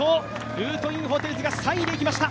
ルートインホテルズが３位でいきました。